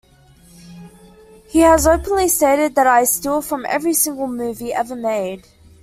He has openly stated that I steal from every single movie ever made.